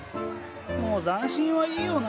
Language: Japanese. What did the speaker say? もう斬新はいいよな。